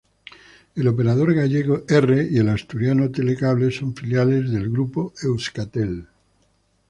El operador gallego R y el asturiano Telecable son filiales Grupo Euskaltel.